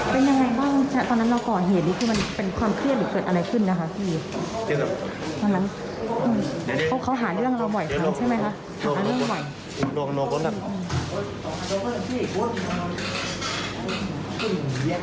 เป็นยังไงบ้างตอนนั้นเราก่อเหตุนี่คือมันเป็นความเครียดหรือเกิดอะไรขึ้นนะคะพี่